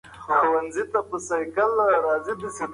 که موږ لیرې واټن وڅېړو نو ویره به مو ختمه شي.